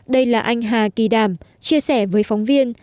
đây là anh hà kỳ đảm chia sẻ với phóng viên